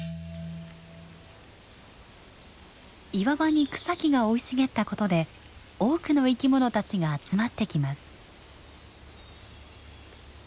岩場に草木が生い茂ったことで多くの生き物たちが集まってきます。